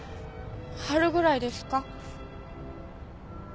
春ぐらいですか？